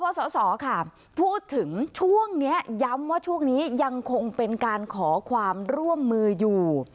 สสค่ะพูดถึงช่วงนี้ย้ำว่าช่วงนี้ยังคงเป็นการขอความร่วมมืออยู่